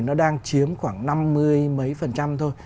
nó đang chiếm khoảng năm mươi mấy phần trăm thôi